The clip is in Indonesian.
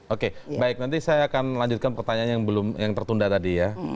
oke baik nanti saya akan lanjutkan pertanyaan yang tertunda tadi ya